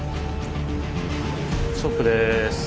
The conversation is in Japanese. ストップです。